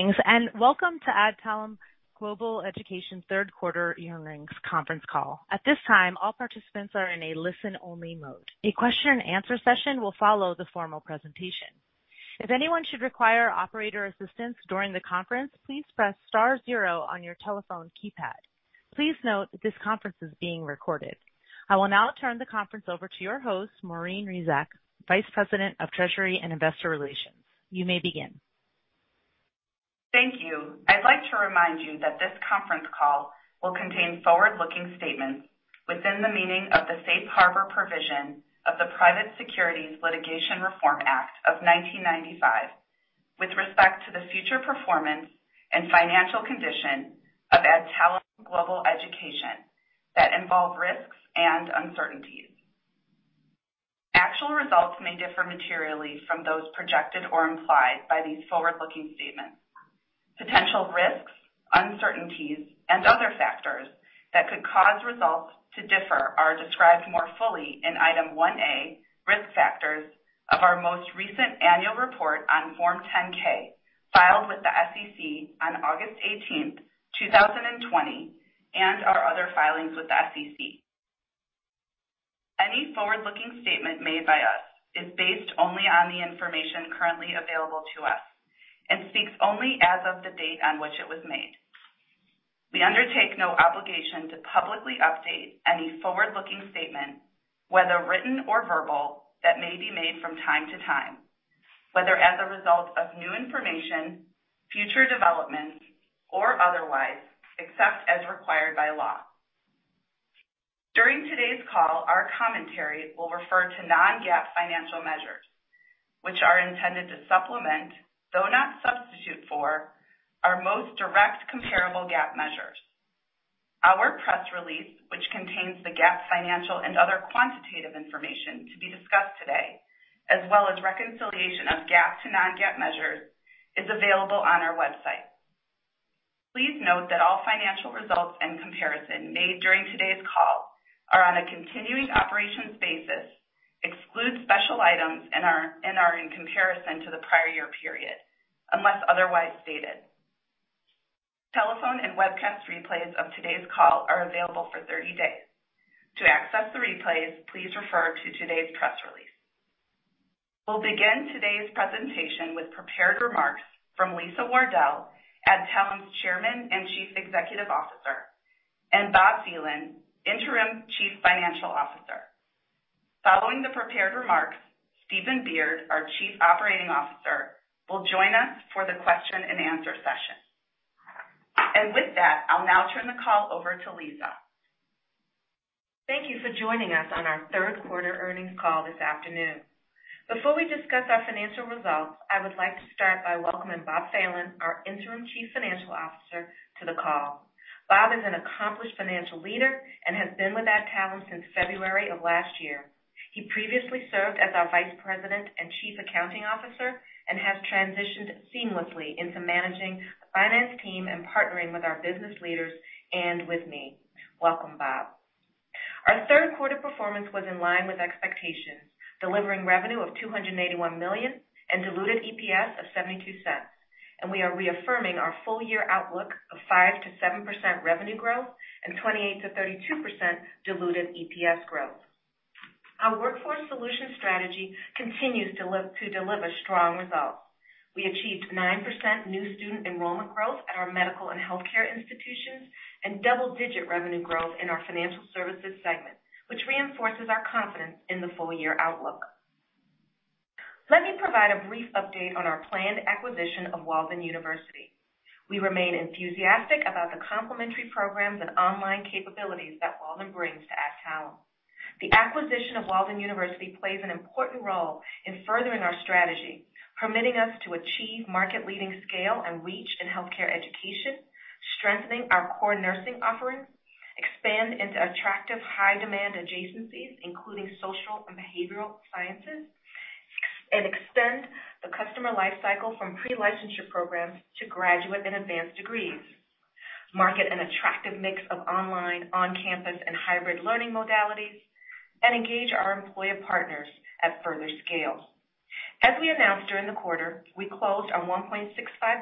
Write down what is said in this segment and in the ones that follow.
Greetings, and welcome to Adtalem Global Education third quarter earnings conference call. At this time all participants are in listen-only mode. A question-and-answer session will follow the formal presentation. If anyone should require operator's assistance during the conference please press star zero on your telephone keypad. Please note this conference is being recorded. I will now turn the conference over to your host, Maureen Resac, Vice President of Treasury and Investor Relations. You may begin. Thank you. I'd like to remind you that this conference call will contain forward-looking statements within the meaning of the Safe Harbor provision of the Private Securities Litigation Reform Act of 1995 with respect to the future performance and financial condition of Adtalem Global Education that involve risks and uncertainties. Actual results may differ materially from those projected or implied by these forward-looking statements. Potential risks, uncertainties, and other factors that could cause results to differ are described more fully in item 1A, Risk Factors, of our most recent annual report on Form 10-K, filed with the SEC on August 18th, 2020, and our other filings with the SEC. Any forward-looking statement made by us is based only on the information currently available to us and speaks only as of the date on which it was made. We undertake no obligation to publicly update any forward-looking statement, whether written or verbal, that may be made from time to time, whether as a result of new information, future developments, or otherwise, except as required by law. During today's call, our commentary will refer to non-GAAP financial measures, which are intended to supplement, though not substitute for, our most direct comparable GAAP measures. Our press release, which contains the GAAP financial and other quantitative information to be discussed today, as well as reconciliation of GAAP to non-GAAP measures, is available on our website. Please note that all financial results and comparison made during today's call are on a continuing operations basis, exclude special items, and are in comparison to the prior year period, unless otherwise stated. Telephone and webcast replays of today's call are available for 30 days. To access the replays, please refer to today's press release. We'll begin today's presentation with prepared remarks from Lisa Wardell, Adtalem's Chairman and Chief Executive Officer, and Bob Phelan, Interim Chief Financial Officer. Following the prepared remarks, Steven Beard, our Chief Operating Officer, will join us for the question and answer session. With that, I'll now turn the call over to Lisa. Thank you for joining us on our third quarter earnings call this afternoon. Before we discuss our financial results, I would like to start by welcoming Bob Phelan, our Interim Chief Financial Officer, to the call. Bob is an accomplished financial leader and has been with Adtalem since February of last year. He previously served as our Vice President and Chief Accounting Officer and has transitioned seamlessly into managing the finance team and partnering with our business leaders and with me. Welcome, Bob. Our third quarter performance was in line with expectations, delivering revenue of $281 million and diluted EPS of $0.72. We are reaffirming our full-year outlook of 5%-7% revenue growth and 28%-32% diluted EPS growth. Our workforce solutions strategy continues to deliver strong results. We achieved 9% new student enrollment growth at our medical and healthcare institutions and double-digit revenue growth in our financial services segment, which reinforces our confidence in the full-year outlook. Let me provide a brief update on our planned acquisition of Walden University. We remain enthusiastic about the complementary programs and online capabilities that Walden brings to Adtalem. The acquisition of Walden University plays an important role in furthering our strategy, permitting us to achieve market-leading scale and reach in healthcare education, strengthening our core nursing offerings, expand into attractive, high-demand adjacencies, including social and behavioral sciences, and extend the customer life cycle from pre-licensure programs to graduate and advanced degrees, market an attractive mix of online, on-campus, and hybrid learning modalities, and engage our employer partners at further scale. As we announced during the quarter, we closed our $1.65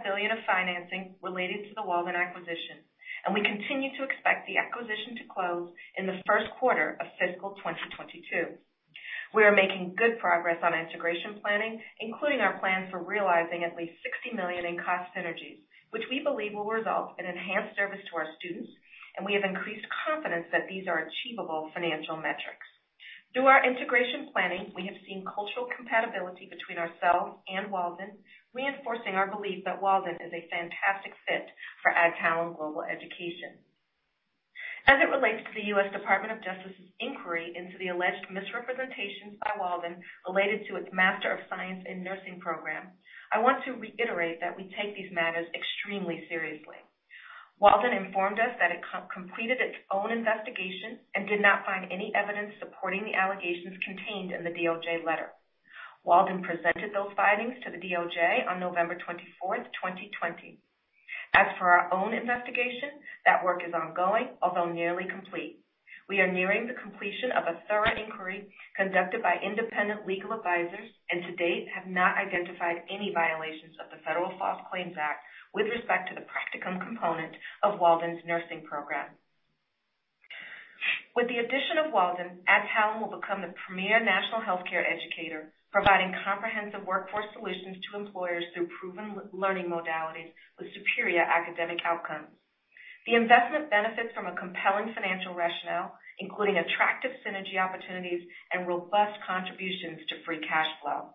billion of financing related to the Walden acquisition, and we continue to expect the acquisition to close in the first quarter of fiscal 2022. We are making good progress on integration planning, including our plans for realizing at least $60 million in cost synergies, which we believe will result in enhanced service to our students, and we have increased confidence that these are achievable financial metrics. Through our integration planning, we have seen cultural compatibility between ourselves and Walden, reinforcing our belief that Walden is a fantastic fit for Adtalem Global Education. As it relates to the U.S. Department of Justice's inquiry into the alleged misrepresentations by Walden related to its Master of Science in Nursing program, I want to reiterate that we take these matters extremely seriously. Walden informed us that it completed its own investigation and did not find any evidence supporting the allegations contained in the DOJ letter. Walden presented those findings to the DOJ on November 24th, 2020. As for our own investigation, that work is ongoing, although nearly complete. We are nearing the completion of a thorough inquiry conducted by independent legal advisors, and to date have not identified any violations of the Federal False Claims Act with respect to the practicum component of Walden's nursing program. With the addition of Walden, Adtalem will become the premier national healthcare educator, providing comprehensive workforce solutions to employers through proven learning modalities with superior academic outcomes. The investment benefits from a compelling financial rationale, including attractive synergy opportunities and robust contributions to free cash flow.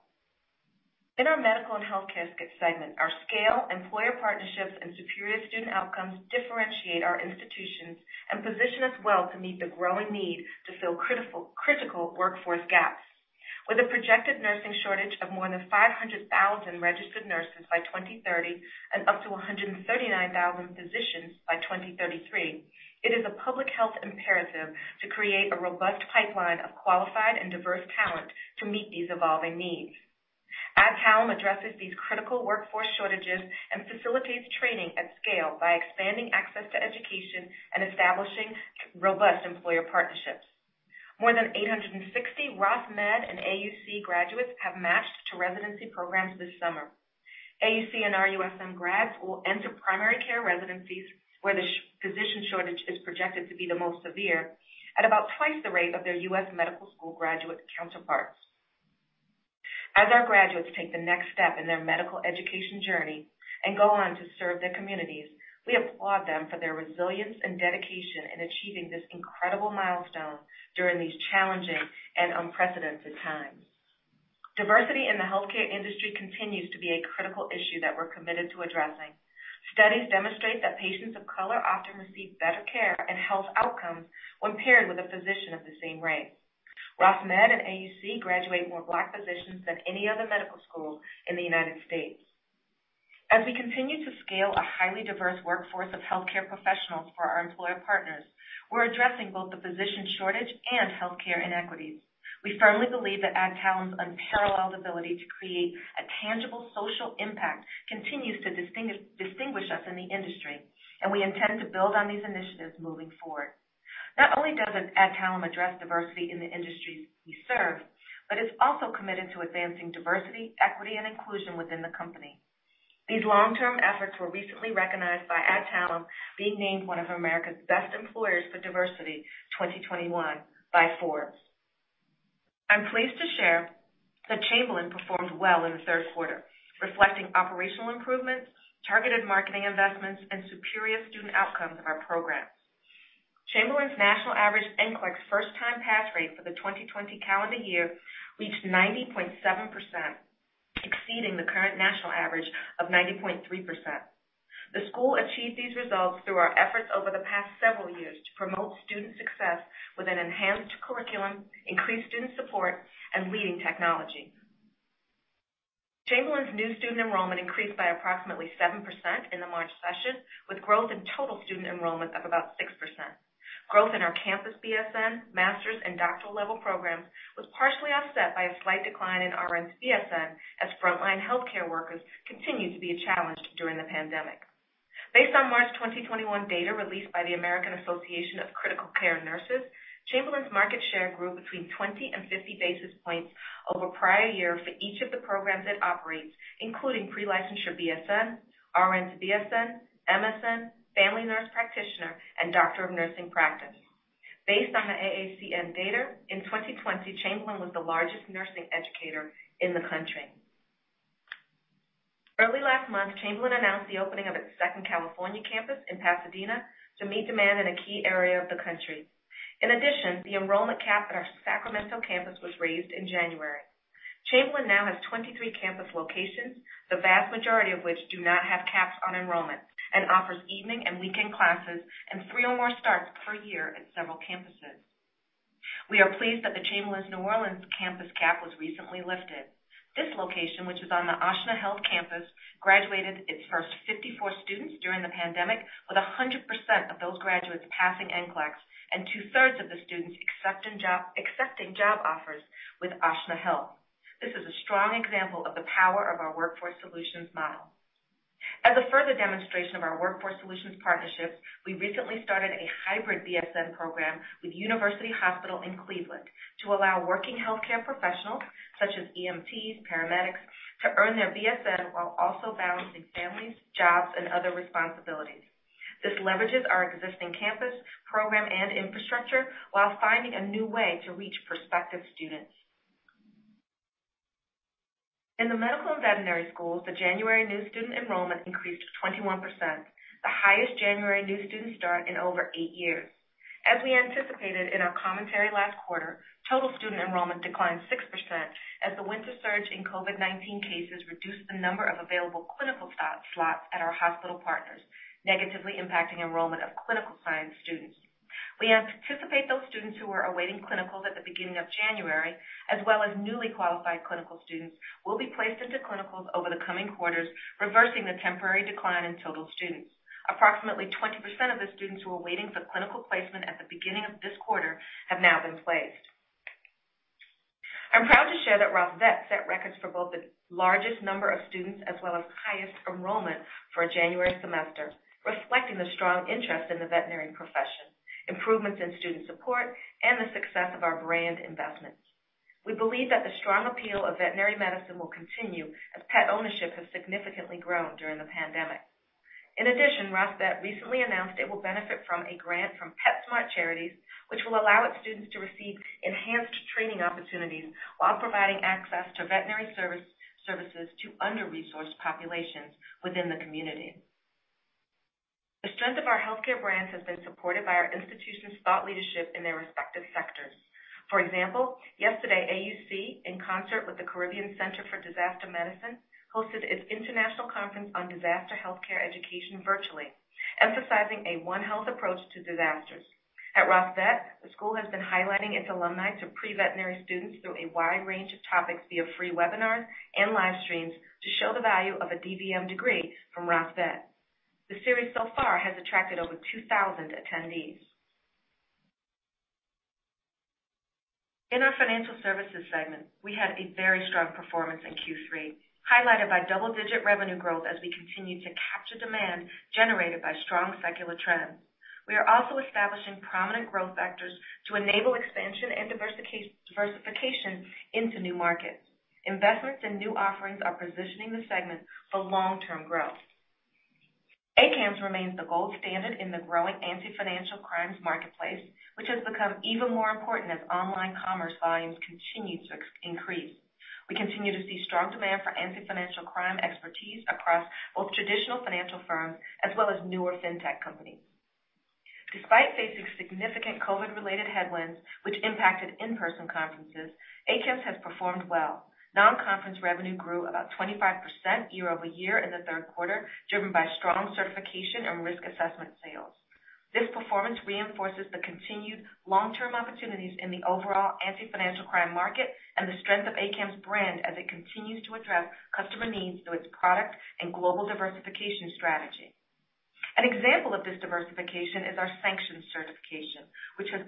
In our medical and healthcare segment, our scale, employer partnerships, and superior student outcomes differentiate our institutions and position us well to meet the growing need to fill critical workforce gaps. With a projected nursing shortage of more than 500,000 registered nurses by 2030 and up to 139,000 physicians by 2033, it is a public health imperative to create a robust pipeline of qualified and diverse talent to meet these evolving needs. Adtalem addresses these critical workforce shortages and facilitates training at scale by expanding access to education and establishing robust employer partnerships. More than 860 Ross Med and AUC graduates have matched to residency programs this summer. AUC and RUSM grads will enter primary care residencies where the physician shortage is projected to be the most severe at about twice the rate of their U.S. medical school graduate counterparts. As our graduates take the next step in their medical education journey and go on to serve their communities, we applaud them for their resilience and dedication in achieving this incredible milestone during these challenging and unprecedented times. Diversity in the healthcare industry continues to be a critical issue that we're committed to addressing. Studies demonstrate that patients of color often receive better care and health outcomes when paired with a physician of the same race. Ross Med and AUC graduate more Black physicians than any other medical school in the United States. As we continue to scale a highly diverse workforce of healthcare professionals for our employer partners, we're addressing both the physician shortage and healthcare inequities. We firmly believe that Adtalem's unparalleled ability to create a tangible social impact continues to distinguish us in the industry, and we intend to build on these initiatives moving forward. Not only does Adtalem address diversity in the industries we serve, but it's also committed to advancing diversity, equity, and inclusion within the company. These long-term efforts were recently recognized by Adtalem being named one of America's best employers for diversity 2021 by Forbes. I'm pleased to share that Chamberlain performed well in the third quarter, reflecting operational improvements, targeted marketing investments, and superior student outcomes of our programs. Chamberlain's national average NCLEX first-time pass rate for the 2020 calendar year reached 90.7%, exceeding the current national average of 90.3%. The school achieved these results through our efforts over the past several years to promote student success with an enhanced curriculum, increased student support, and leading technology. Chamberlain's new student enrollment increased by approximately 7% in the March session, with growth in total student enrollment up about 6%. Growth in our campus BSN, master's, and doctoral level programs was partially offset by a slight decline in RN to BSN as frontline healthcare workers continued to be challenged during the pandemic. Based on March 2021 data released by the American Association of Colleges of Nursing, Chamberlain's market share grew between 20 and 50 basis points over prior year for each of the programs it operates, including pre-licensure BSN, RN to BSN, MSN, family nurse practitioner, and doctor of nursing practice. Based on the AACN data, in 2020, Chamberlain was the largest nursing educator in the country. Early last month, Chamberlain announced the opening of its second California campus in Pasadena to meet demand in a key area of the country. In addition, the enrollment cap at our Sacramento campus was raised in January. Chamberlain now has 23 campus locations, the vast majority of which do not have caps on enrollment, and offers evening and weekend classes and three or more starts per year at several campuses. We are pleased that the Chamberlain's New Orleans campus cap was recently lifted. This location, which is on the Ochsner Health campus, graduated its first 54 students during the pandemic, with 100% of those graduates passing NCLEX and two-thirds of the students accepting job offers with Ochsner Health. This is a strong example of the power of our workforce solutions model. As a further demonstration of our workforce solutions partnerships, we recently started a hybrid BSN program with University Hospital in Cleveland to allow working healthcare professionals such as EMTs, paramedics, to earn their BSN while also balancing families, jobs, and other responsibilities. This leverages our existing campus, program, and infrastructure while finding a new way to reach prospective students. In the medical and veterinary schools, the January new student enrollment increased 21%, the highest January new student start in over eight years. As we anticipated in our commentary last quarter, total student enrollment declined 6% as the winter surge in COVID-19 cases reduced the number of available clinical slots at our hospital partners, negatively impacting enrollment of clinical science students. We anticipate those students who were awaiting clinicals at the beginning of January, as well as newly qualified clinical students, will be placed into clinicals over the coming quarters, reversing the temporary decline in total students. Approximately 20% of the students who were waiting for clinical placement at the beginning of this quarter have now been placed. I'm proud to share that Ross Vet set records for both the largest number of students as well as highest enrollment for a January semester, reflecting the strong interest in the veterinarian profession, improvements in student support, and the success of our brand investments. We believe that the strong appeal of veterinary medicine will continue as pet ownership has significantly grown during the pandemic. In addition, Ross Vet recently announced it will benefit from a grant from PetSmart Charities, which will allow its students to receive enhanced training opportunities while providing access to veterinary services to under-resourced populations within the community. The strength of our healthcare brands has been supported by our institutions' thought leadership in their respective sectors. For example, yesterday, AUC, in concert with the Caribbean Center for Disaster Medicine, hosted its international conference on disaster healthcare education virtually, emphasizing a one-health approach to disasters. At Ross Vet, the school has been highlighting its alumni to pre-veterinary students through a wide range of topics via free webinars and live streams to show the value of a DVM degree from Ross Vet. The series so far has attracted over 2,000 attendees. In our financial services segment, we had a very strong performance in Q3, highlighted by double-digit revenue growth as we continue to capture demand generated by strong secular trends. We are also establishing prominent growth vectors to enable expansion and diversification into new markets. Investments in new offerings are positioning the segment for long-term growth. ACAMS remains the gold standard in the growing anti-financial crimes marketplace, which has become even more important as online commerce volumes continue to increase. We continue to see strong demand for anti-financial crime expertise across both traditional financial firms as well as newer fintech companies. Despite facing significant COVID-related headwinds, which impacted in-person conferences, ACAMS has performed well. Non-conference revenue grew about 25% year-over-year in the third quarter, driven by strong certification and risk assessment sales. This performance reinforces the continued long-term opportunities in the overall anti-financial crime market and the strength of ACAMS' brand as it continues to address customer needs through its product and global diversification strategy. An example of this diversification is our sanctions certification, which has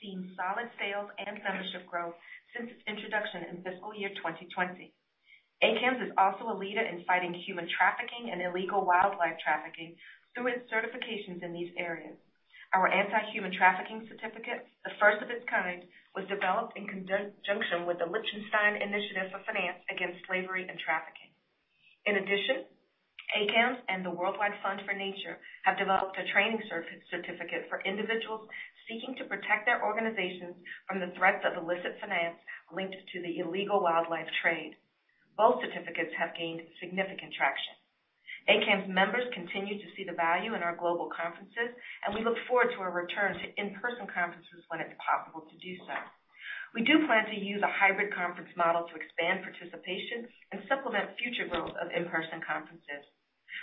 seen solid sales and membership growth since its introduction in fiscal year 2020. ACAMS is also a leader in fighting human trafficking and illegal wildlife trafficking through its certifications in these areas. Our anti-human trafficking certificate, the first of its kind, was developed in conjunction with the Liechtenstein Initiative for Finance Against Slavery and Trafficking. In addition, ACAMS and the World Wide Fund for Nature have developed a training certificate for individuals seeking to protect their organizations from the threats of illicit finance linked to the illegal wildlife trade. Both certificates have gained significant traction. ACAMS members continue to see the value in our global conferences, and we look forward to a return to in-person conferences when it's possible to do so. We do plan to use a hybrid conference model to expand participation and supplement future growth of in-person conferences.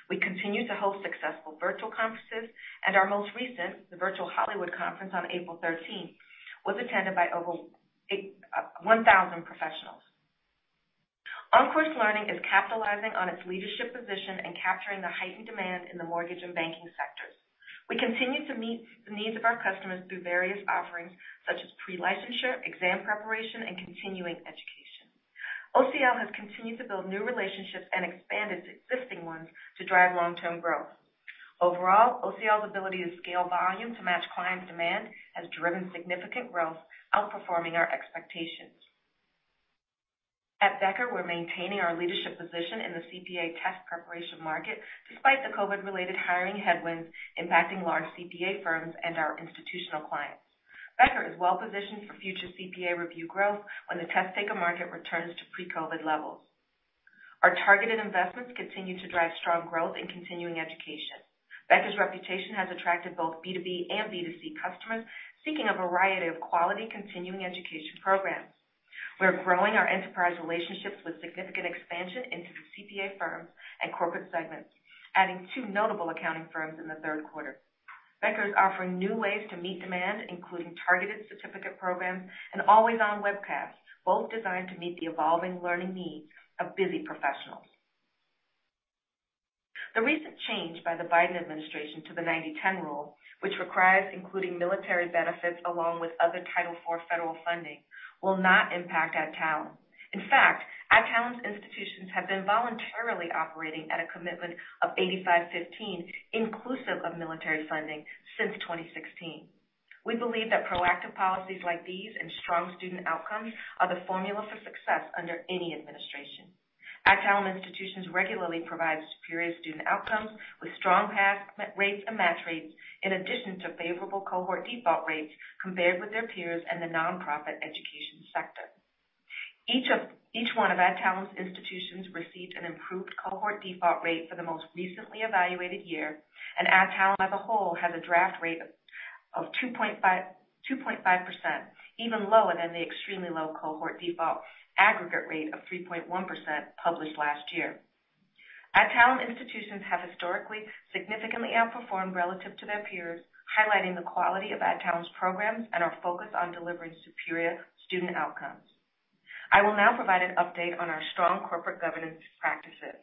We continue to hold successful virtual conferences, and our most recent, the Virtual Hollywood Conference on April 13th, was attended by over 1,000 professionals. OnCourse Learning is capitalizing on its leadership position and capturing the heightened demand in the mortgage and banking sectors. We continue to meet the needs of our customers through various offerings such as pre-licensure, exam preparation, and continuing education. OCL has continued to build new relationships and expand its existing ones to drive long-term growth. Overall, OCL's ability to scale volume to match client demand has driven significant growth, outperforming our expectations. At Becker, we're maintaining our leadership position in the CPA test preparation market despite the COVID-related hiring headwinds impacting large CPA firms and our institutional clients. Becker is well positioned for future CPA review growth when the test-taker market returns to pre-COVID levels. Our targeted investments continue to drive strong growth in continuing education. Becker's reputation has attracted both B2B and B2C customers seeking a variety of quality continuing education programs. We're growing our enterprise relationships with significant expansion into the CPA firms and corporate segments, adding two notable accounting firms in the third quarter. Becker is offering new ways to meet demand, including targeted certificate programs and always-on webcasts, both designed to meet the evolving learning needs of busy professionals. The recent change by the Biden administration to the 90/10 rule, which requires including military benefits along with other Title IV federal funding, will not impact Adtalem. In fact, Adtalem's institutions have been voluntarily operating at a commitment of 85/15, inclusive of military funding, since 2016. We believe that proactive policies like these and strong student outcomes are the formula for success under any administration. Adtalem institutions regularly provide superior student outcomes with strong pass rates and match rates, in addition to favorable cohort default rates compared with their peers in the nonprofit education sector. Each one of Adtalem's institutions received an improved cohort default rate for the most recently evaluated year, and Adtalem as a whole has a draft rate of 2.5%, even lower than the extremely low cohort default aggregate rate of 3.1% published last year. Adtalem institutions have historically significantly outperformed relative to their peers, highlighting the quality of Adtalem's programs and our focus on delivering superior student outcomes. I will now provide an update on our strong corporate governance practices.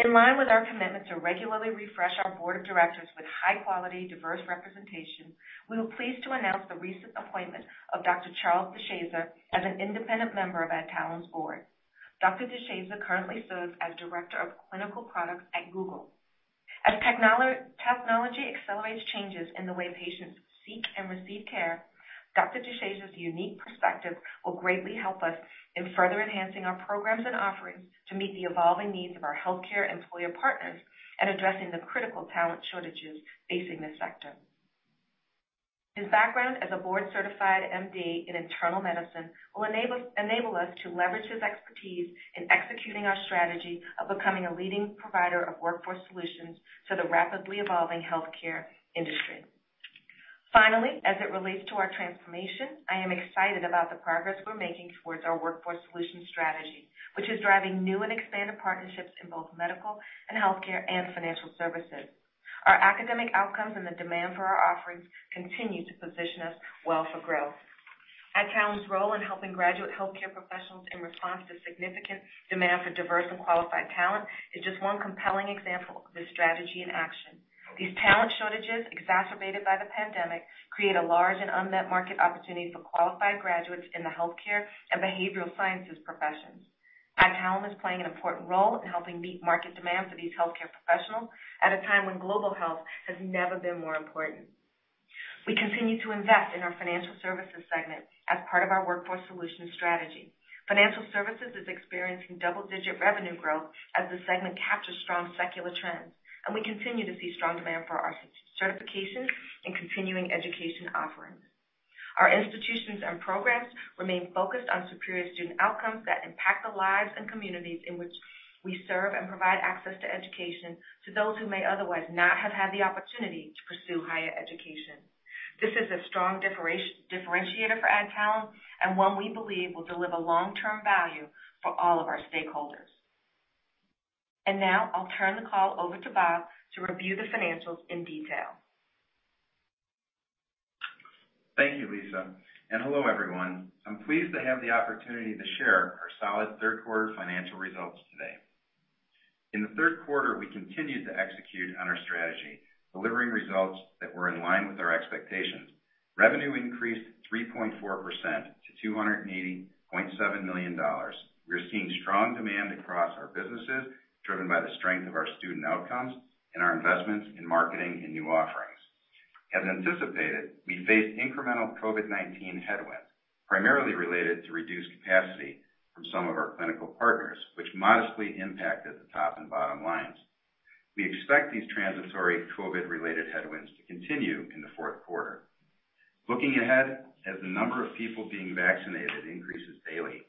In line with our commitment to regularly refresh our board of directors with high quality, diverse representation, we are pleased to announce the recent appointment of Dr. Charles DeShazer as an independent member of Adtalem's board. Dr. DeShazer currently serves as Director of Clinical Products at Google. As technology accelerates changes in the way patients seek and receive care, Dr. DeShazer's unique perspective will greatly help us in further enhancing our programs and offerings to meet the evolving needs of our healthcare employer partners in addressing the critical talent shortages facing the sector. His background as a board-certified MD in internal medicine will enable us to leverage his expertise in executing our strategy of becoming a leading provider of workforce solutions to the rapidly evolving healthcare industry. As it relates to our transformation, I am excited about the progress we're making towards our workforce solution strategy, which is driving new and expanded partnerships in both medical and healthcare and financial services. Our academic outcomes and the demand for our offerings continue to position us well for growth. Adtalem's role in helping graduate healthcare professionals in response to significant demand for diverse and qualified talent is just one compelling example of this strategy in action. These talent shortages, exacerbated by the pandemic, create a large and unmet market opportunity for qualified graduates in the healthcare and behavioral sciences professions. Adtalem is playing an important role in helping meet market demand for these healthcare professionals at a time when global health has never been more important. We continue to invest in our financial services segment as part of our workforce solutions strategy. Financial services is experiencing double-digit revenue growth as the segment captures strong secular trends, and we continue to see strong demand for our certifications and continuing education offerings. Our institutions and programs remain focused on superior student outcomes that impact the lives and communities in which we serve and provide access to education to those who may otherwise not have had the opportunity to pursue higher education. This is a strong differentiator for Adtalem and one we believe will deliver long-term value for all of our stakeholders. Now I'll turn the call over to Bob to review the financials in detail. Thank you, Lisa, and hello, everyone. I'm pleased to have the opportunity to share our solid third-quarter financial results today. In the third quarter, we continued to execute on our strategy, delivering results that were in line with our expectations. Revenue increased 3.4% to $280.7 million. We are seeing strong demand across our businesses, driven by the strength of our student outcomes and our investments in marketing and new offerings. As anticipated, we faced incremental COVID-19 headwinds, primarily related to reduced capacity from some of our clinical partners, which modestly impacted the top and bottom lines. We expect these transitory COVID-related headwinds to continue in the fourth quarter. Looking ahead, as the number of people being vaccinated increases daily,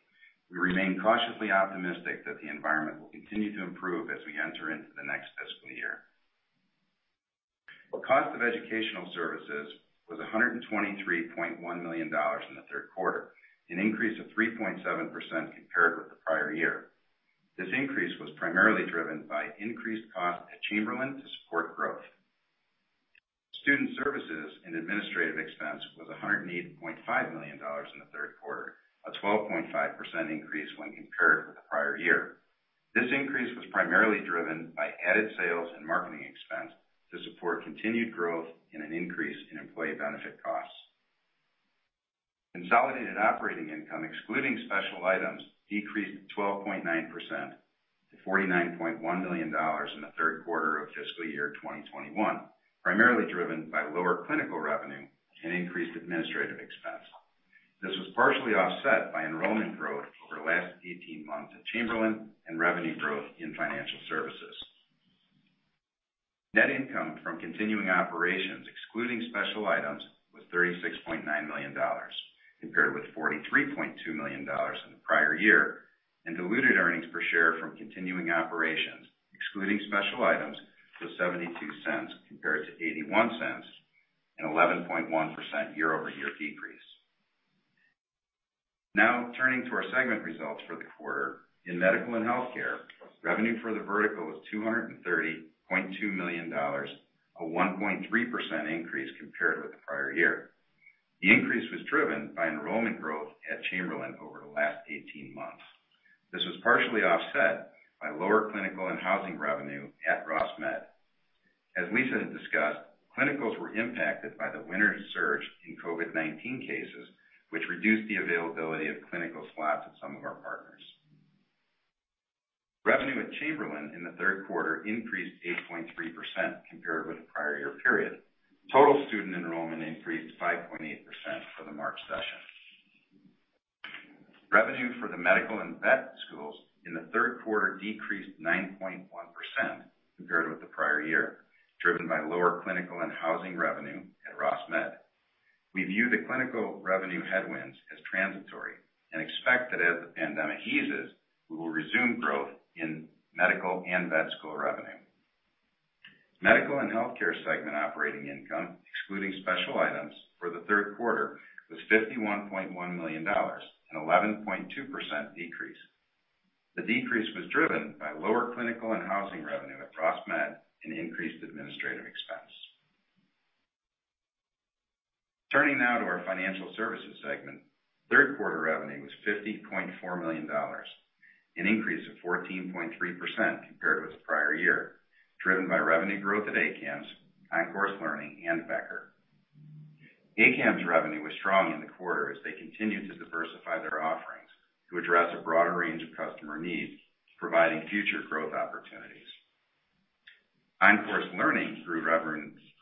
we remain cautiously optimistic that the environment will continue to improve as we enter into the next fiscal year. The cost of educational services was $123.1 million in the third quarter, an increase of 3.7% compared with the prior year. This increase was primarily driven by increased cost at Chamberlain to support growth. Student services and administrative expense was $108.5 million in the third quarter, a 12.5% increase when compared with the prior year. This increase was primarily driven by added sales and marketing expense to support continued growth and an increase in employee benefit costs. Consolidated operating income, excluding special items, decreased 12.9% to $49.1 million in the third quarter of fiscal year 2021, primarily driven by lower clinical revenue and increased administrative expense. This was partially offset by enrollment growth over the last 18 months at Chamberlain and revenue growth in financial services. Net income from continuing operations, excluding special items, was $36.9 million, compared with $43.2 million in the prior year, and diluted earnings per share from continuing operations, excluding special items, to $0.72 compared to $0.81, an 11.1% year-over-year decrease. Turning to our segment results for the quarter. In medical and healthcare, revenue for the vertical was $230.2 million, a 1.3% increase compared with the prior year. The increase was driven by enrollment growth at Chamberlain over the last 18 months. This was partially offset by lower clinical and housing revenue at Ross Med. As Lisa discussed, clinicals were impacted by the winter surge in COVID-19 cases, which reduced the availability of clinical slots at some of our partners. Revenue at Chamberlain in the third quarter increased 8.3% compared with the prior year period. Total student enrollment increased 5.8% for the March session. Revenue for the medical and vet schools in the third quarter decreased 9.1% compared with the prior year, driven by lower clinical and housing revenue at Ross Med. We view the clinical revenue headwinds as transitory and expect that as the pandemic eases, we will resume growth in medical and vet school revenue. Medical and Healthcare segment operating income, excluding special items for the third quarter, was $51.1 million, an 11.2% decrease. The decrease was driven by lower clinical and housing revenue at Ross Med and increased administrative expense. Turning now to our Financial Services segment. Third quarter revenue was $50.4 million, an increase of 14.3% compared with the prior year, driven by revenue growth at ACAMS, OnCourse Learning, and Becker. ACAMS revenue was strong in the quarter as they continued to diversify their offerings to address a broader range of customer needs, providing future growth opportunities. OnCourse Learning grew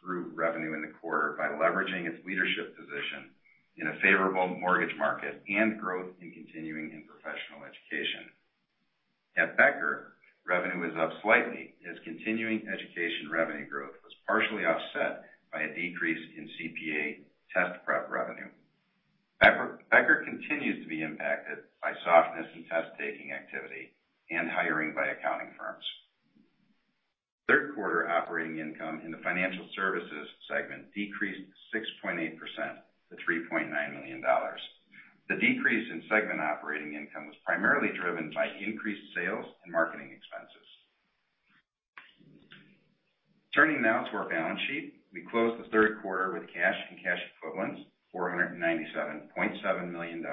revenue in the quarter by leveraging its leadership position in a favorable mortgage market and growth in continuing and professional education. At Becker, revenue was up slightly as continuing education revenue growth was partially offset by a decrease in CPA test prep revenue. Becker continues to be impacted by softness in test-taking activity and hiring by accounting firms. Third quarter operating income in the financial services segment decreased 6.8% to $3.9 million. The decrease in segment operating income was primarily driven by increased sales and marketing expenses. Turning now to our balance sheet. We closed the third quarter with cash and cash equivalents, $497.7 million,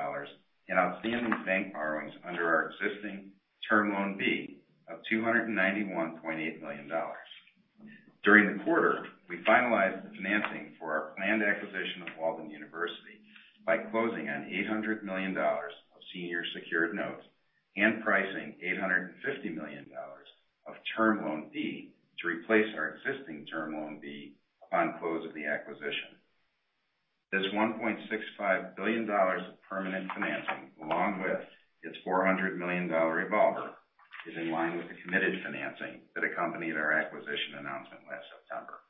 in outstanding bank borrowings under our existing Term Loan B of $291.8 million. During the quarter, we finalized the financing for our planned acquisition of Walden University by closing on $800 million of senior secured notes and pricing $850 million of Term Loan B to replace our existing Term Loan B upon close of the acquisition. This $1.65 billion of permanent financing, along with its $400 million revolver, is in line with the committed financing that accompanied our acquisition announcement last September.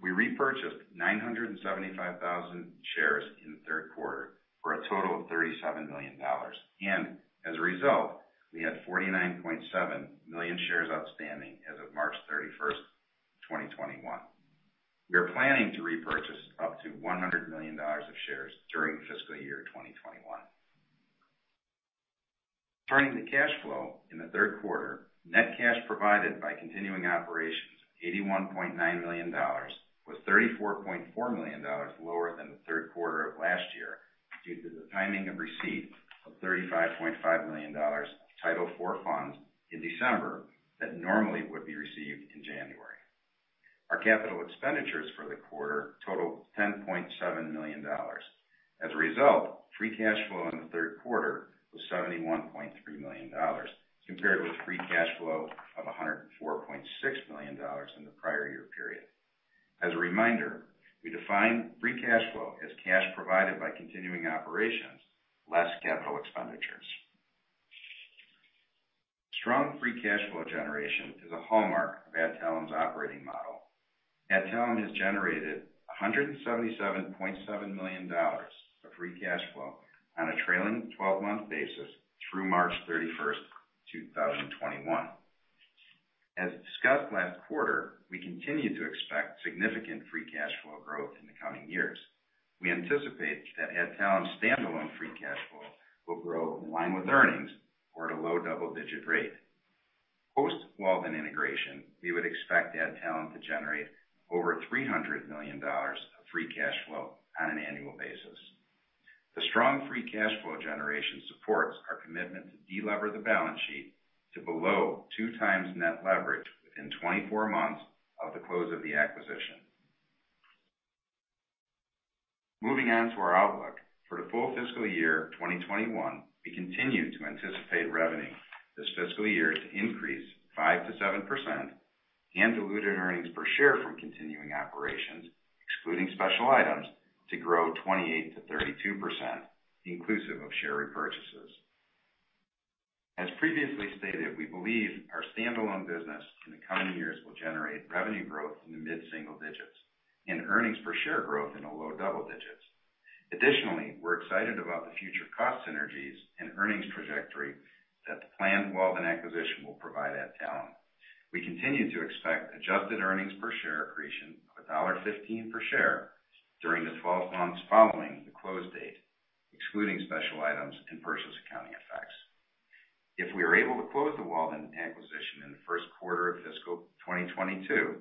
We repurchased 975,000 shares in the third quarter for a total of $37 million. As a result, we had 49.7 million shares outstanding as of March 31st, 2021. We are planning to repurchase up to $100 million of shares during fiscal year 2021. Turning to cash flow in the third quarter. Net cash provided by continuing operations, $81.9 million, was $34.4 million lower than the third quarter of last year due to the timing of receipt of $35.5 million Title IV funds in December that normally would be received in January. Our capital expenditures for the quarter totaled $10.7 million. As a result, free cash flow in the third quarter was $71.3 million, compared with free cash flow of $104.6 million in the prior year period. As a reminder, we define free cash flow as cash provided by continuing operations less capital expenditures. Strong free cash flow generation is a hallmark of Adtalem's operating model. Adtalem has generated $177.7 million of free cash flow on a trailing 12-month basis through March 31st, 2021. As discussed last quarter, we continue to expect significant free cash flow growth in the coming years. We anticipate that Adtalem's standalone free cash flow will grow in line with earnings or at a low double-digit rate. Post-Walden integration, we would expect Adtalem to generate over $300 million of free cash flow on an annual basis. The strong free cash flow generation supports our commitment to de-lever the balance sheet to below 2x net leverage within 24 months of the close of the acquisition. Moving on to our outlook. For the full fiscal year 2021, we continue to anticipate revenue this fiscal year to increase 5%-7% and diluted earnings per share from continuing operations, excluding special items, to grow 28%-32%, inclusive of share repurchases. As previously stated, we believe our standalone business in the coming years will generate revenue growth in the mid-single digits and earnings per share growth in the low double digits. Additionally, we're excited about the future cost synergies and earnings trajectory that the planned Walden acquisition will provide Adtalem. We continue to expect adjusted earnings per share accretion of $1.15 per share during the 12 months following the close date, excluding special items and purchase accounting effects. If we are able to close the Walden acquisition in the first quarter of fiscal 2022,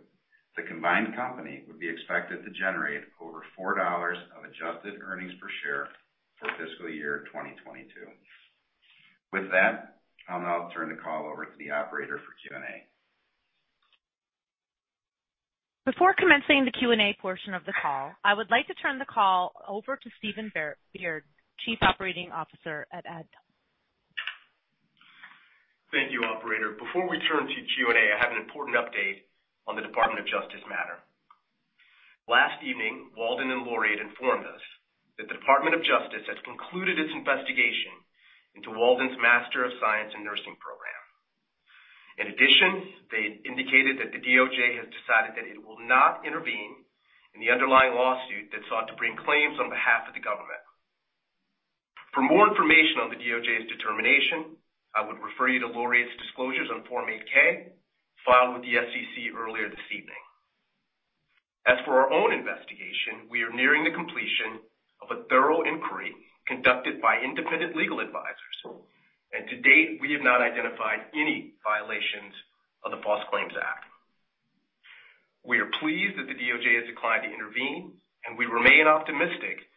the combined company would be expected to generate over $4 of adjusted earnings per share for fiscal year 2022. With that, I'll now turn the call over to the operator for Q&A. Before commencing the Q&A portion of the call, I would like to turn the call over to Steve Beard, Chief Operating Officer at Adtalem. Thank you, operator. Before we turn to Q&A, I have an important update on the Department of Justice matter. Last evening, Walden and Laureate informed us that the Department of Justice has concluded its investigation into Walden's Master of Science in Nursing program. In addition, they indicated that the DOJ has decided that it will not intervene in the underlying lawsuit that sought to bring claims on behalf of the government. For more information on the DOJ's determination, I would refer you to Laureate's disclosures on Form 8-K, filed with the SEC earlier this evening. As for our own investigation, we are nearing- A thorough inquiry conducted by independent legal advisors, and to date, we have not identified any violations of the False Claims Act. We are pleased that the DOJ has declined to intervene, and we remain optimistic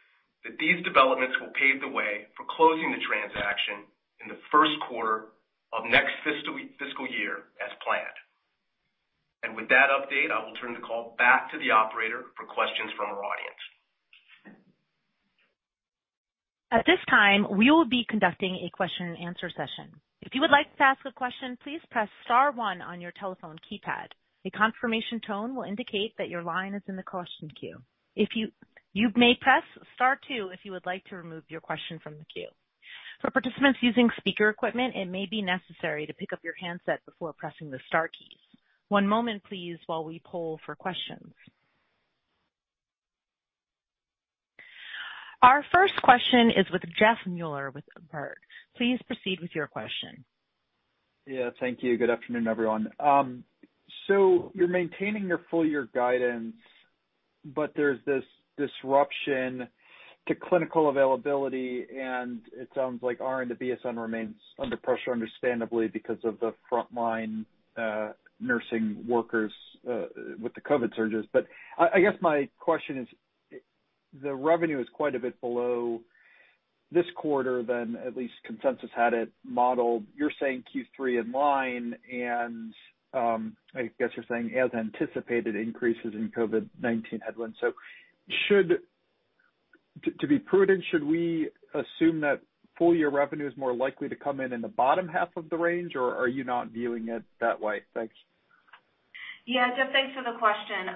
that these developments will pave the way for closing the transaction in the first quarter of next fiscal year as planned. With that update, I will turn the call back to the operator for questions from our audience. Our first question is with Jeff Meuler with Baird. Please proceed with your question. Yeah. Thank you. Good afternoon, everyone. You're maintaining your full-year guidance, but there's this disruption to clinical availability, and it sounds like RN to BSN remains under pressure, understandably, because of the frontline nursing workers with the COVID surges. I guess my question is, the revenue is quite a bit below this quarter than at least consensus had it modeled. You're saying Q3 in line, and I guess you're saying as anticipated increases in COVID-19 headwind. To be prudent, should we assume that full-year revenue is more likely to come in in the bottom half of the range, or are you not viewing it that way? Thanks. Yeah, Jeffrey, thanks for the question.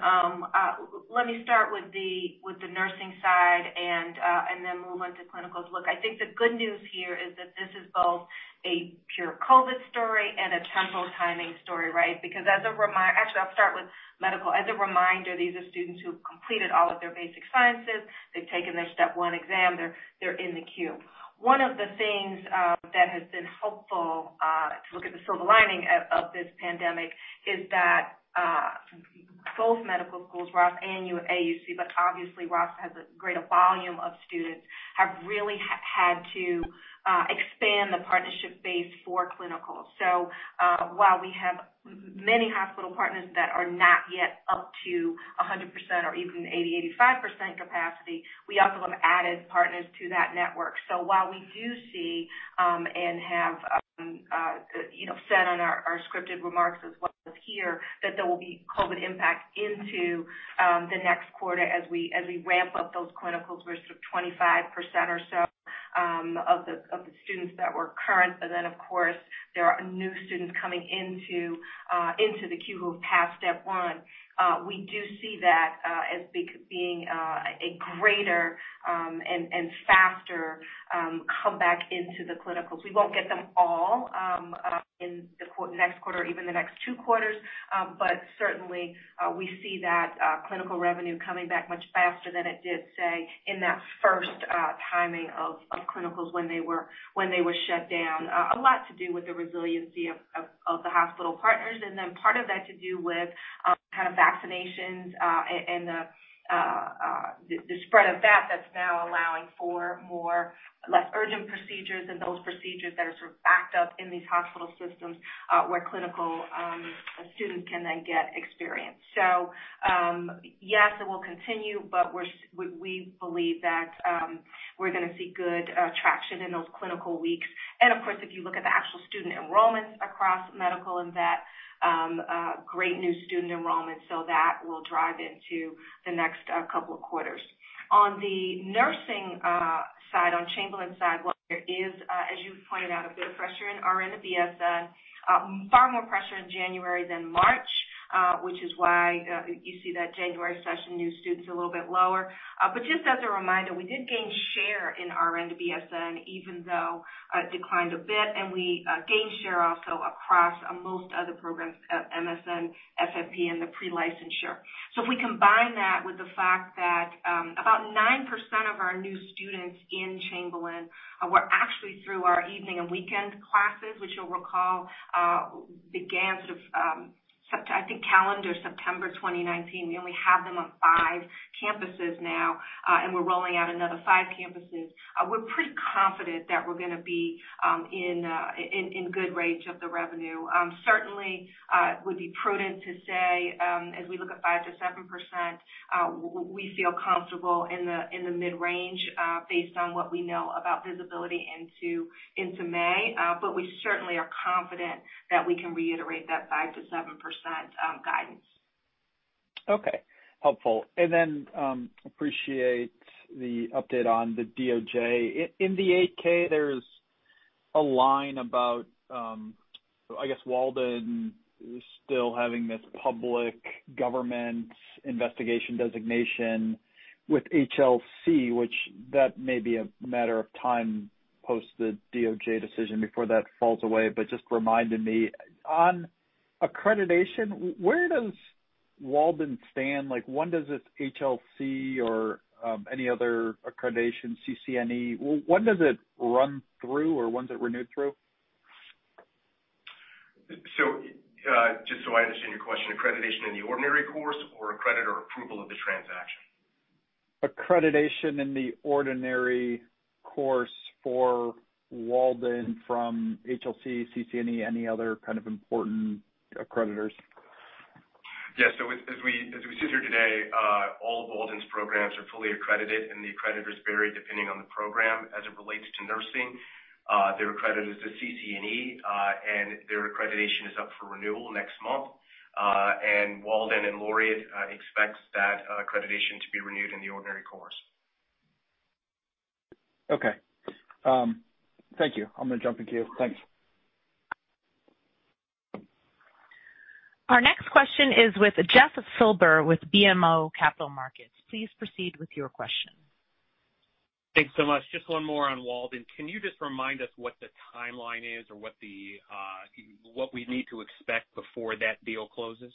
Let me start with the nursing side and then move on to clinicals. Look, I think the good news here is that this is both a pure COVID story and a temporal timing story, right? Actually, I'll start with medical. As a reminder, these are students who have completed all of their basic sciences. They've taken their step one exam. They're in the queue. One of the things that has been helpful, to look at the silver lining of this pandemic, is that both medical schools, Ross and AUC, but obviously Ross has a greater volume of students, have really had to expand the partnership base for clinicals. While we have many hospital partners that are not yet up to 100% or even 80%, 85% capacity, we also have added partners to that network. While we do see, and have said on our scripted remarks as well as here, that there will be COVID impact into the next quarter as we ramp up those clinicals. We're sort of 25% or so of the students that were current. Of course, there are new students coming into the queue who have passed Step 1. We do see that as being a greater and faster comeback into the clinicals. We won't get them all in the next quarter or even the next two quarters. Certainly, we see that clinical revenue coming back much faster than it did, say, in that first timing of clinicals when they were shut down. A lot to do with the resiliency of the hospital partners, and then part of that to do with kind of vaccinations, and the spread of that's now allowing for less urgent procedures and those procedures that are sort of backed up in these hospital systems, where clinical students can then get experience. Yes, it will continue, but we believe that we're going to see good traction in those clinical weeks. Of course, if you look at the actual student enrollments across medical and vet, great new student enrollment, so that will drive into the next couple of quarters. On the nursing side, on Chamberlain side, there is, as you pointed out, a bit of pressure in RN to BSN. Far more pressure in January than March, which is why you see that January session, new students are a little bit lower. Just as a reminder, we did gain share in RN to BSN, even though it declined a bit, and we gained share also across most other programs at MSN, FNP, and the pre-licensure. If we combine that with the fact that about 9% of our new students in Chamberlain were actually through our evening and weekend classes, which you'll recall began sort of, I think, calendar September 2019. We only have them on five campuses now, and we're rolling out another five campuses. We're pretty confident that we're going to be in good range of the revenue. Certainly, would be prudent to say, as we look at 5%-7%, we feel comfortable in the mid-range based on what we know about visibility into May. We certainly are confident that we can reiterate that 5%-7% guidance. Okay. Helpful. Appreciate the update on the DOJ. In the 8-K, there's a line about, I guess Walden still having this public government investigation designation with HLC, which that may be a matter of time post the DOJ decision before that falls away. Just reminded me. On accreditation, where does Walden stand? When does its HLC or any other accreditation, CCNE, when does it run through, or when's it renewed through? Just so I understand your question, accreditation in the ordinary course or accredit or approval of the transaction? Accreditation in the ordinary course for Walden from HLC, CCNE, any other kind of important accreditors. As we sit here today, all of Walden's programs are fully accredited, and the accreditors vary depending on the program. As it relates to nursing, they're accredited to CCNE, and their accreditation is up for renewal next month. Walden and Laureate expects that accreditation to be renewed in the ordinary course. Okay. Thank you. I'm going to jump in queue. Thanks. Our next question is with Jeff Silber with BMO Capital Markets. Please proceed with your question. Thanks so much. Just one more on Walden. Can you just remind us what the timeline is or what we need to expect before that deal closes?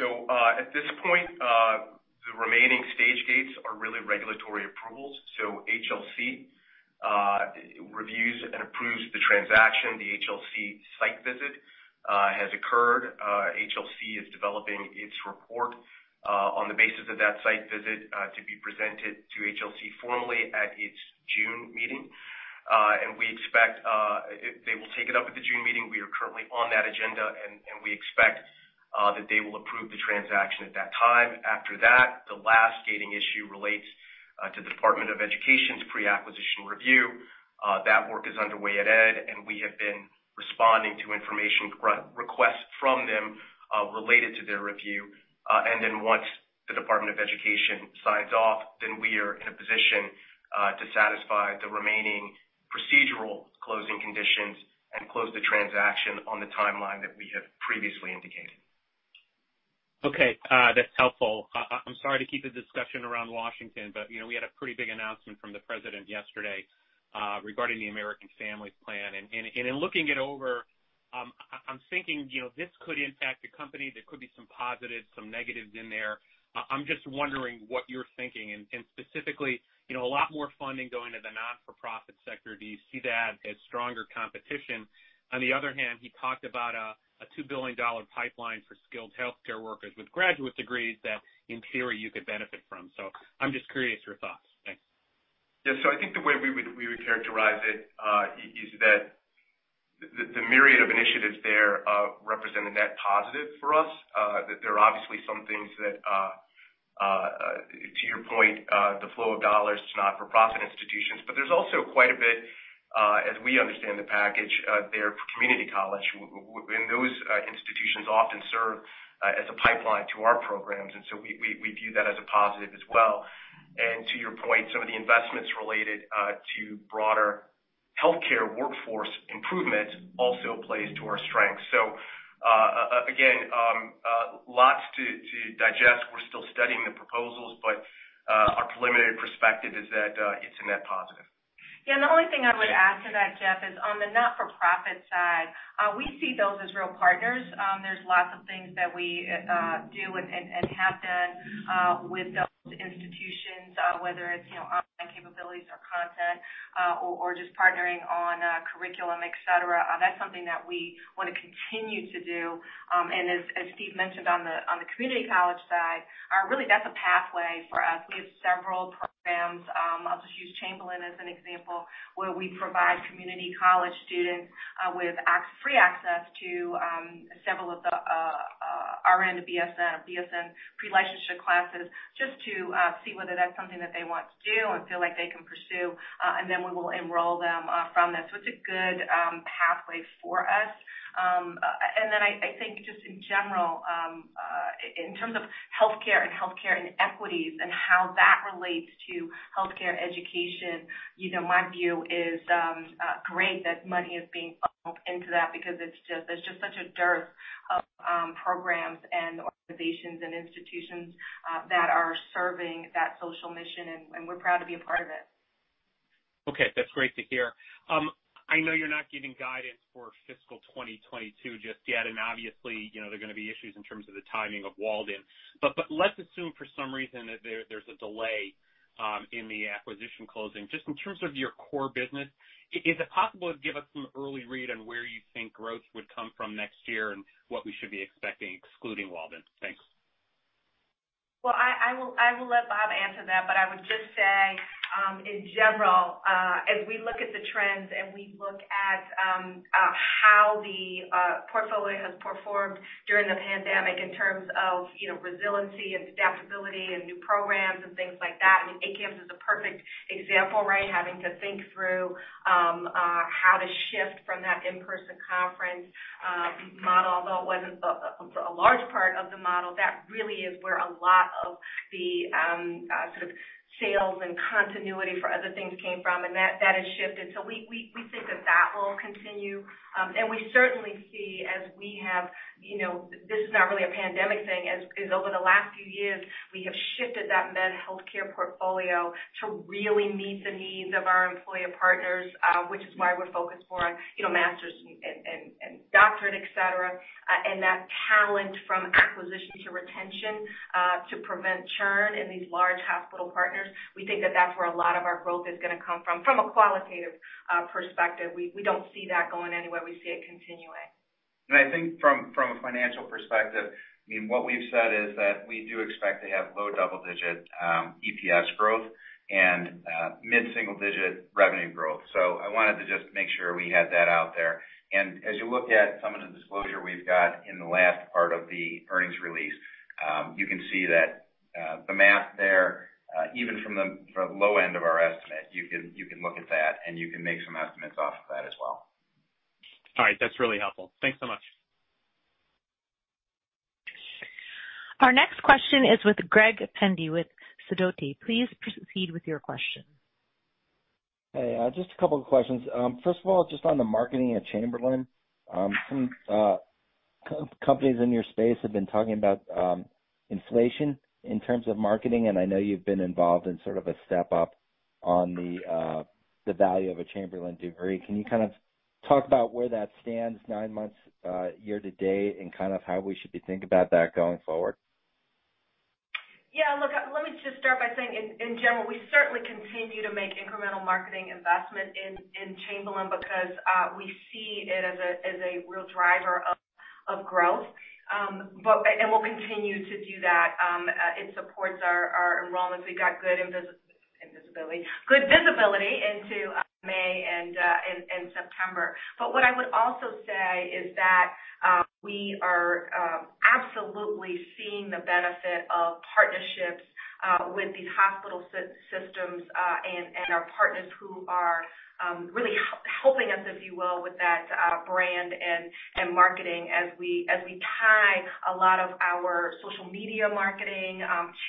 At this point, the remaining stage gates are really regulatory approvals. HLC reviews and approves the transaction. The HLC site visit has occurred. HLC is developing its report, on the basis of that site visit, to be presented to HLC formally at its June meeting. We expect they will take it up at the June meeting. We are currently on that agenda, and we expect that they will approve the transaction at that time. After that, the last gating issue relates to the Department of Education's pre-acquisition review. That work is underway at ED, and we have been responding to information requests from them related to their review. Once the Department of Education signs off, then we are in a position to satisfy the remaining procedural closing conditions and close the transaction on the timeline that we have previously indicated. Okay. That's helpful. I'm sorry to keep the discussion around Washington. We had a pretty big announcement from the president yesterday regarding the American Families Plan. In looking it over, I'm thinking this could impact the company. There could be some positives, some negatives in there. I'm just wondering what you're thinking, specifically, a lot more funding going to the not-for-profit sector. Do you see that as stronger competition? On the other hand, he talked about a $2 billion pipeline for skilled healthcare workers with graduate degrees that, in theory, you could benefit from. I'm just curious your thoughts. Thanks. Yeah. I think the way we would characterize it, is that the myriad of initiatives there represent a net positive for us. There are obviously some things that, to your point, the flow of dollars to not-for-profit institutions. There's also quite a bit, as we understand the package, there for community college. Those institutions often serve as a pipeline to our programs, we view that as a positive as well. To your point, some of the investments related to broader healthcare workforce improvements also plays to our strength. Again, lots to digest. We're still studying the proposals, but our preliminary perspective is that it's a net positive. Yeah. The only thing I would add to that, Jeff, is on the not-for-profit side, we see those as real partners. There's lots of things that we do and have done with those institutions, whether it's online capabilities or content, or just partnering on curriculum, et cetera. That's something that we want to continue to do. As Steve mentioned on the community college side, really that's a pathway for us. We have several programs, I'll just use Chamberlain as an example, where we provide community college students with free access to several of the RN to BSN pre-licensure classes, just to see whether that's something that they want to do and feel like they can pursue, and then we will enroll them from there. It's a good pathway for us. I think just in general, in terms of healthcare and healthcare inequities and how that relates to healthcare education, my view is, great that money is being pumped into that because there's just such a dearth of programs and organizations and institutions that are serving that social mission, and we're proud to be a part of it. Okay. That's great to hear. I know you're not giving guidance for fiscal 2022 just yet, and obviously, there are going to be issues in terms of the timing of Walden. Let's assume for some reason that there's a delay in the acquisition closing. Just in terms of your core business, is it possible to give us some early read on where you think growth would come from next year and what we should be expecting excluding Walden? Thanks. Well, I will let Bob answer that, but I would just say, in general, as we look at the trends and we look at how the portfolio has performed during the pandemic in terms of resiliency and adaptability and new programs and things like that, ACAMS is a perfect example, right. Having to think through how to shift from that in-person conference model, although it wasn't a large part of the model. That really is where a lot of the sort of sales and continuity for other things came from, and that has shifted. We think that that will continue. We certainly see this is not really a pandemic thing, as over the last few years, we have shifted that med healthcare portfolio to really meet the needs of our employer partners, which is why we're focused more on master's and doctorate, et cetera. That talent from acquisition to retention, to prevent churn in these large hospital partners, we think that that's where a lot of our growth is gonna come from a qualitative perspective. We don't see that going anywhere. We see it continuing. I think from a financial perspective, what we've said is that we do expect to have low double-digit EPS growth and mid-single digit revenue growth. I wanted to just make sure we had that out there. As you look at some of the disclosure we've got in the last part of the earnings release, you can see that the math there, even from the low end of our estimate, you can look at that and you can make some estimates off of that as well. All right. That's really helpful. Thanks so much. Our next question is with Greg Pendy with Sidoti. Please proceed with your question. Hey, just a couple of questions. First of all, just on the marketing at Chamberlain. Some companies in your space have been talking about inflation in terms of marketing, and I know you've been involved in sort of a step-up on the value of a Chamberlain degree. Can you kind of talk about where that stands nine months year-to-date, and kind of how we should be thinking about that going forward? Yeah. Look, let me just start by saying, in general, we certainly continue to make incremental marketing investment in Chamberlain because we see it as a real driver of growth. We'll continue to do that. It supports our enrollments. We've got good visibility into May and September. What I would also say is that we are absolutely seeing the benefit of partnerships with these hospital systems, and our partners who are really helping us, if you will, with that brand and marketing as we tie a lot of our social media marketing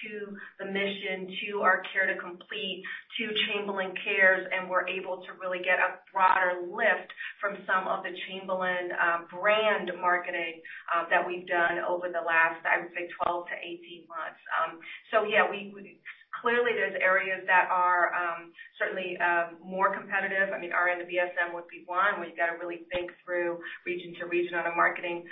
to the mission, to our care to complete, to Chamberlain Cares, and we're able to really get a broader lift from some of the Chamberlain brand marketing that we've done over the last, I would say, 12 months-18 months. Yeah, clearly there's areas that are certainly more competitive. RN to BSN would be one. We've got to really think through region to region on a marketing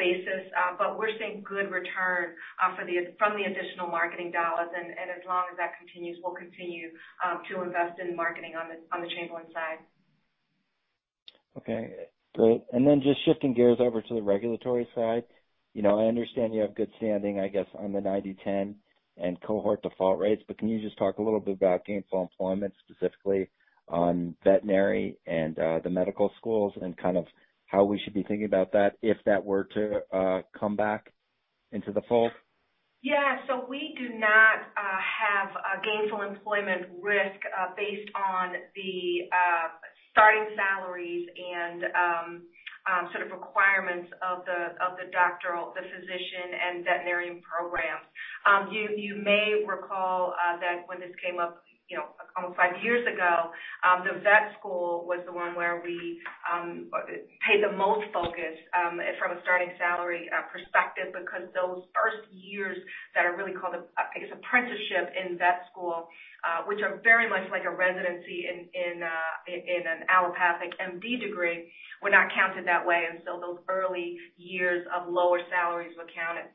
basis. We're seeing good return from the additional marketing dollars, and as long as that continues, we'll continue to invest in marketing on the Chamberlain side. Okay, great. Just shifting gears over to the regulatory side. I understand you have good standing, I guess, on the 90/10 and cohort default rates, but can you just talk a little bit about gainful employment, specifically on veterinary and the medical schools, and kind of how we should be thinking about that if that were to come back into the fold? Yeah. We do not have a gainful employment risk based on the starting salaries and sort of requirements of the doctoral, the physician, and veterinarian programs. You may recall that when this came up almost five years ago, the vet school was the one where we paid the most focus from a starting salary perspective, because those first years that are really called, I guess, apprenticeship in vet school, which are very much like a residency in an allopathic MD degree, were not counted that way. Those early years of lower salaries were counted.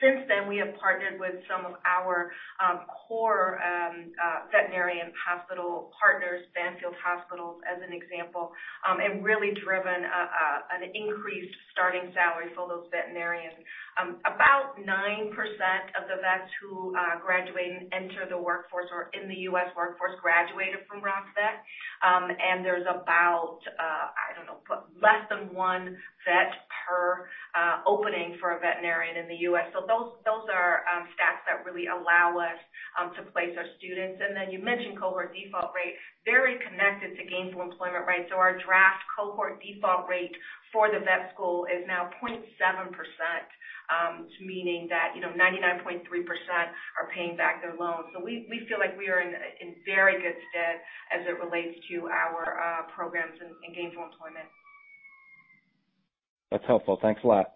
Since then, we have partnered with some of our core veterinarian hospital partners, Banfield Pet Hospital, as an example, and really driven an increased starting salary for those veterinarians. About 9% of the vets who graduate and enter the workforce or are in the U.S. workforce, graduated from Ross Vet. There's about, I don't know, but less than one vet per opening for a veterinarian in the U.S. Those are stats that really allow us to place our students. You mentioned cohort default rate, very connected to gainful employment, right? Our draft cohort default rate for the vet school is now 0.7%, meaning that 99.3% are paying back their loans. We feel like we are in very good stead as it relates to our programs and gainful employment. That's helpful. Thanks a lot.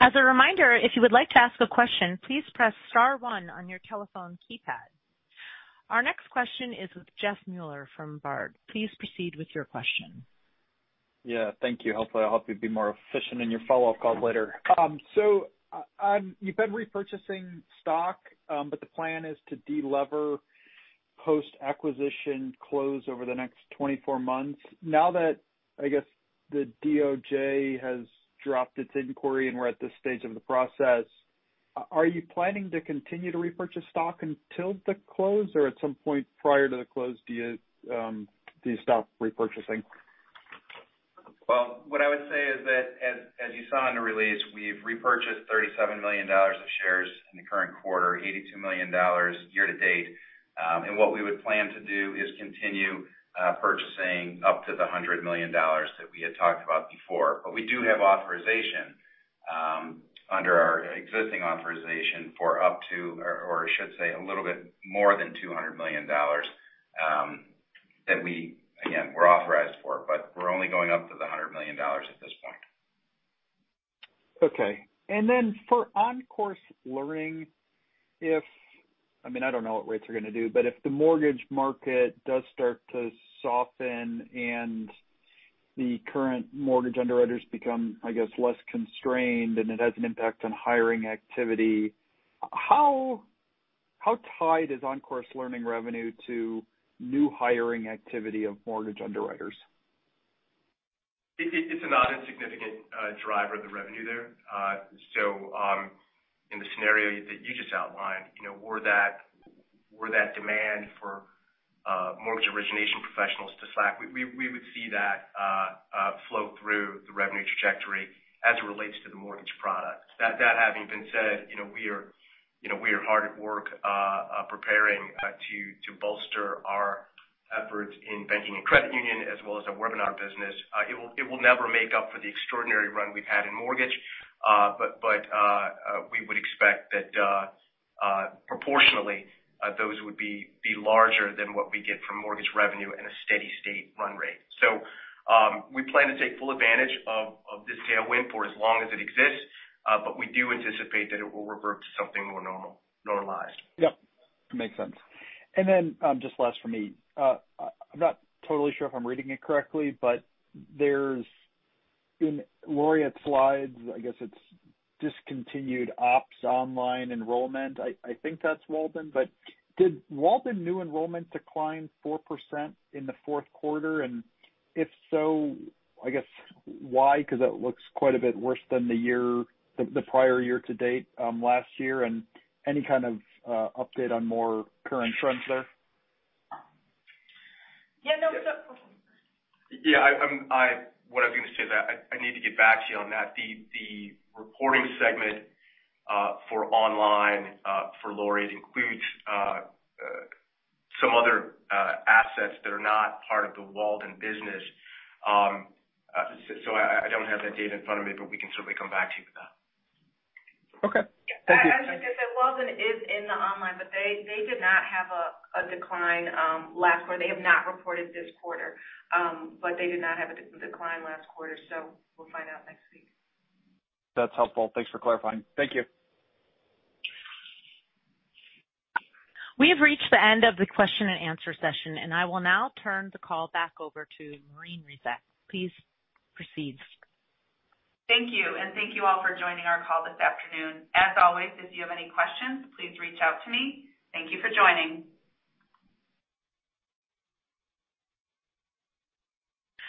As a reminder, if you would like to ask a question, please press star one on your telephone keypad. Our next question is with Jeff Meuler from Baird. Please proceed with your question. Yeah, thank you. Hopefully, I'll help you be more efficient in your follow-up calls later. You've been repurchasing stock, but the plan is to de-lever post-acquisition close over the next 24 months. Now that, I guess, the DOJ has dropped its inquiry and we're at this stage of the process, are you planning to continue to repurchase stock until the close? Or at some point prior to the close, do you stop repurchasing? Well, what I would say is that, as you saw in the release, we've repurchased $37 million of shares in the current quarter, $82 million year-to-date. What we would plan to do is continue purchasing up to the $100 million that we had talked about before. We do have authorization under our existing authorization for up to, or I should say, a little bit more than $200 million that we, again, we're authorized for. We're only going up to the $100 million at this point. Okay. For OnCourse Learning, if, I mean, I don't know what rates are going to do, but if the mortgage market does start to soften and the current mortgage underwriters become, I guess, less constrained and it has an impact on hiring activity, how tied is OnCourse Learning revenue to new hiring activity of mortgage underwriters? It's a not insignificant driver of the revenue there. In the scenario that you just outlined, were that demand for mortgage origination professionals to slack, we would see that flow through the revenue trajectory as it relates to the mortgage product. That having been said, we are hard at work preparing to bolster our efforts in banking and credit union, as well as our webinar business. It will never make up for the extraordinary run we've had in mortgage. We would expect that proportionately, those would be larger than what we get from mortgage revenue in a steady state run rate. We plan to take full advantage of this tailwind for as long as it exists, but we do anticipate that it will revert to something more normalized. Yep, makes sense. Just last from me. I'm not totally sure if I'm reading it correctly, there's in Laureate slides, I guess it's discontinued ops online enrollment. I think that's Walden. Did Walden new enrollment decline 4% in the fourth quarter? If so, I guess why? That looks quite a bit worse than the prior year to date last year and any kind of update on more current trends there? Yeah, no. Yeah. What I was going to say is that I need to get back to you on that. The reporting segment for online for Laureate includes some other assets that are not part of the Walden business. I don't have that data in front of me, but we can certainly come back to you with that. Okay. Thank you. I was going to say Walden is in the online, but they did not have a decline last quarter. They have not reported this quarter. They did not have a decline last quarter, so we'll find out next week. That's helpful. Thanks for clarifying. Thank you. We have reached the end of the question and answer session, and I will now turn the call back over to Maureen Resac. Please proceed. Thank you, and thank you all for joining our call this afternoon. As always, if you have any questions, please reach out to me. Thank you for joining.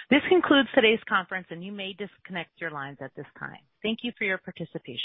This concludes today's conference, and you may disconnect your lines at this time. Thank you for your participation.